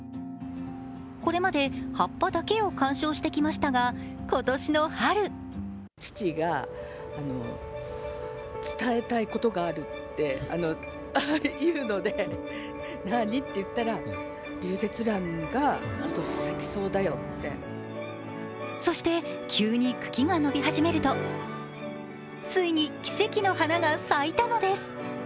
これまで葉っぱだけを観賞してきましたが、今年の春そして急に茎が伸び始めるとついに奇跡の花が咲いたのです。